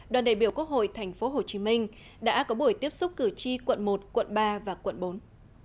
đoàn đại biểu quốc hội tp hcm đã có buổi tiếp xúc cử tri quận một quận ba và quận bốn